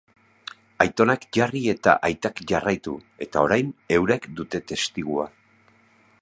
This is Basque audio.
Aitonak jarri eta aitak jarraitu, eta orain eurek dute testigua.